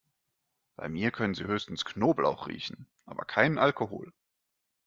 Bei mir können Sie höchstens Knoblauch riechen, aber keinen Alkohol.